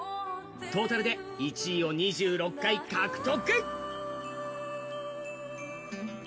トータルで１位を２６回獲得。